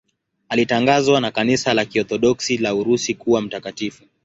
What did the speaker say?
Alitangazwa na Kanisa la Kiorthodoksi la Urusi kuwa mtakatifu.